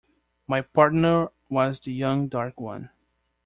My partner was the young dark one.